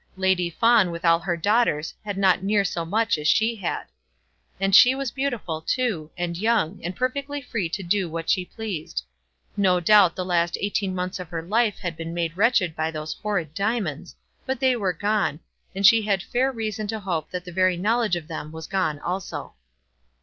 Lady Fawn with all her daughters had not near so much as she had. And she was beautiful, too, and young, and perfectly free to do what she pleased. No doubt the last eighteen months of her life had been made wretched by those horrid diamonds; but they were gone, and she had fair reason to hope that the very knowledge of them was gone also.